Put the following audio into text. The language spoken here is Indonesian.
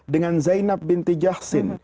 dengan zainab binti jahsin